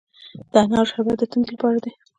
د انارو شربت د تندې لپاره ښه دی.